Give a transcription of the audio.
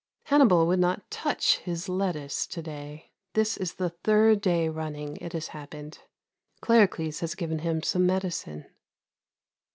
Hannibal would not touch his lettuce to day. This is the third day running it has happened. Claricles has given him some medicine.